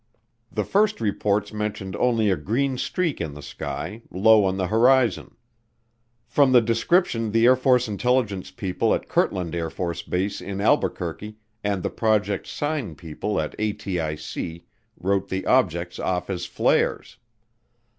The first reports mentioned only a "green streak in the sky," low on the horizon. From the description the Air Force Intelligence people at Kirtland AFB in Albuquerque and the Project Sign people at ATIC wrote the objects off as flares.